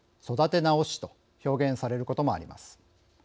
育て直しと表現されることもあります。